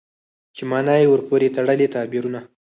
چې مانا يې ورپورې تړلي تعبيرونه